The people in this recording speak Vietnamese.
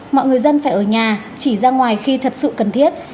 mọi người dân phải ở nhà chỉ ra ngoài khi thật sự cần thiết